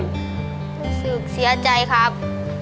รู้สึกเสียใจครับ